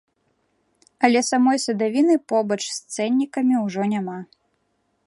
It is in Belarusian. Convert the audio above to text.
Але самой садавіны побач з цэннікам ужо няма!